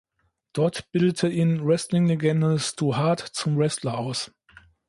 Dort bildete ihn Wrestling-Legende Stu Hart zum Wrestler aus.